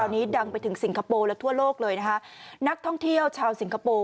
ตอนนี้ดังไปถึงสิงคโปร์และทั่วโลกเลยนะคะนักท่องเที่ยวชาวสิงคโปร์